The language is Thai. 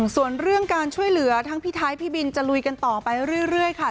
ส่วนเรื่องการช่วยเหลือทั้งพี่ไทยพี่บินจะลุยกันต่อไปเรื่อยค่ะ